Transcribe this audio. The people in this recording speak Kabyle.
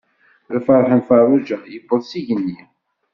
Lferḥ n Ferruǧa yewweḍ s igenni.